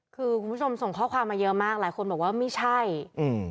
คือคุณผู้ชมส่งข้อความมาเยอะมากหลายคนบอกว่าไม่ใช่อืม